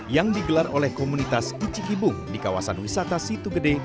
yang digelar oleh komunitas icikibung di kawasan wisata situ gede